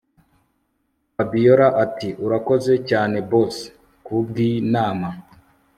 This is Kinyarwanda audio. Fabiora atiurakoze cyane boss kubwinama